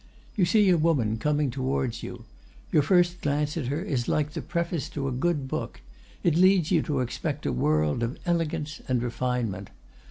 You see a woman coming towards you; your first glance at her is like the preface to a good book, it leads you to expect a world of elegance and refinement.